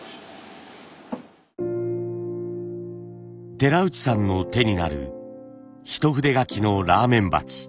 寺内さんの手になる一筆書きのラーメン鉢。